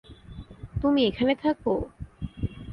তুমি এখানে থাকো?